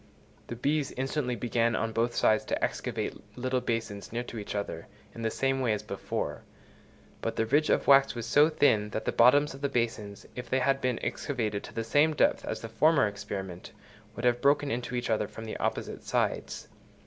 The bees instantly began on both sides to excavate little basins near to each other, in the same way as before; but the ridge of wax was so thin, that the bottoms of the basins, if they had been excavated to the same depth as in the former experiment, would have broken into each other from the opposite sides.